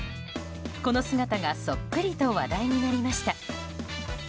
この姿がそっくりと話題になりました。